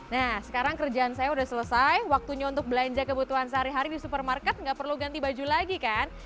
nah sekarang kerjaan saya sudah selesai waktunya untuk belanja kebutuhan sehari hari di supermarket nggak perlu ganti baju lagi kan